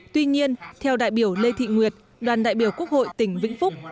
tuy nhiên theo đại biểu lê thị nguyệt đoàn đại biểu quốc hội tỉnh vĩnh phúc